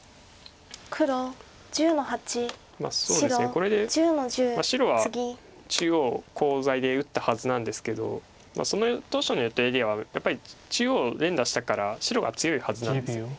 これで白は中央をコウ材で打ったはずなんですけどその当初の予定ではやっぱり中央を連打したから白が強いはずなんです。